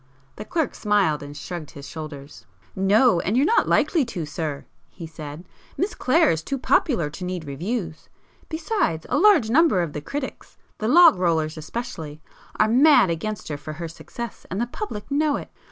The clerk smiled and shrugged his shoulders. "No—and you're not likely to, sir"—he said—"Miss Clare is too popular to need reviews. Besides, a large number of the critics,—the 'log rollers' especially, are mad against her for her success, and the public know it.